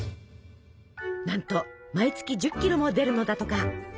なんと毎月１０キロも出るのだとか。